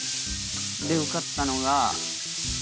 で受かったのが。